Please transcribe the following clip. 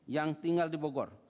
yang tinggal di bogor